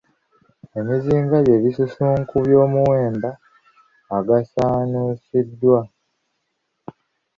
Emisinga bye bisusunku by’omuwemba agasaanuusiddwa.